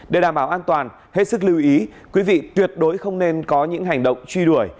để đảm bảo an toàn hết sức lưu ý quý vị tuyệt đối không nên có những hành động truy đuổi